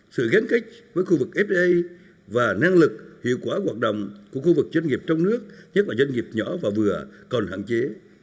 sự gắn kết với khu vực fda và năng lực hiệu quả hoạt động của khu vực doanh nghiệp trong nước nhất là doanh nghiệp nhỏ và vừa còn hạn chế